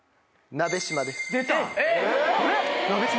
鍋島です。